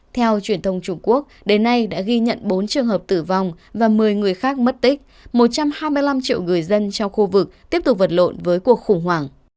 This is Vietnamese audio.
theo truyền thông trung quốc đến nay đã ghi nhận bốn trường hợp tử vong và một mươi người khác mất tích một trăm hai mươi năm triệu người dân trong khu vực tiếp tục vật lộn với cuộc khủng hoảng